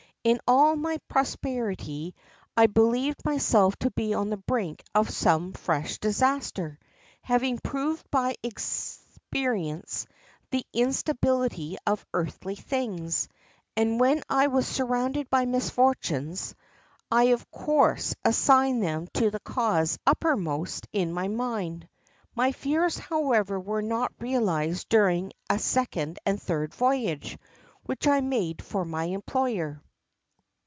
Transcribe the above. In all my prosperity I believed myself to be on the brink of some fresh disaster, having proved by experience the instability of earthly things; and when I was surrounded by misfortunes, I of course assigned them to the cause uppermost in my mind. My fears, however, were not realised during a second and third voyage which I made for my employer.